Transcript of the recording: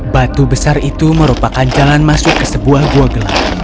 batu besar itu merupakan jalan masuk ke sebuah gua gelap